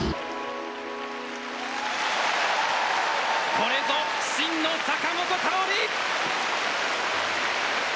これぞ真の坂本花織！